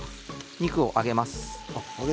肉を上げます。